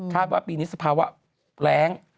ว่าปีนี้สภาวะแรง